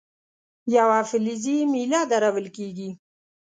یوه فلزي میله درول کیږي.